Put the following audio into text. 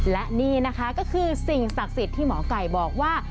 และนี่นะคะก็คือสิ่งศักดิ์สิทธิ์ที่หมอไก่บอกว่า